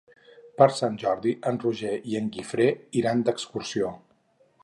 Per Sant Jordi en Roger i en Guifré iran d'excursió.